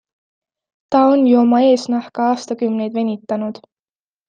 Ta on ju oma eesnahka aastakümneid venitanud!